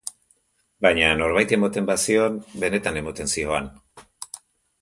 Baina norbaiti ematen bazion, benetan ematen zioan.